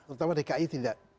terutama dki tidak